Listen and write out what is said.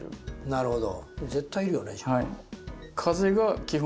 なるほど。